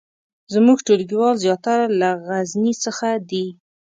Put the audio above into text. زمونږ ټولګیوال زیاتره له غزني څخه دي